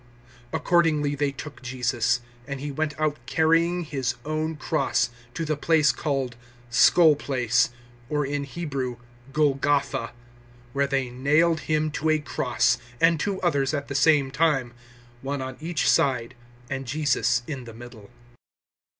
Accordingly they took Jesus; 019:017 and He went out carrying His own cross, to the place called Skull place or, in Hebrew, Golgotha 019:018 where they nailed Him to a cross, and two others at the same time, one on each side and Jesus in the middle.